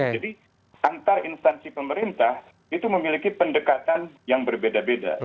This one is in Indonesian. jadi antar instansi pemerintah itu memiliki pendekatan yang berbeda beda